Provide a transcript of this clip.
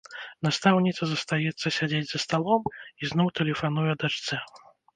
Настаўніца застаецца сядзець за сталом і зноў тэлефануе дачцэ.